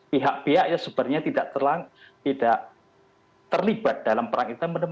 pihak pihak yang sebenarnya tidak terlibat dalam perang itu